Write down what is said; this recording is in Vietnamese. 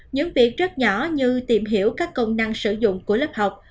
những việc rất nhỏ như tìm hiểu các công năng sử dụng của lớp học